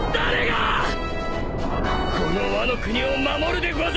このワノ国を守るでござる！